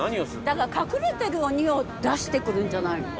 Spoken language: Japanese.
だから隠れてる鬼を出してくるんじゃないの？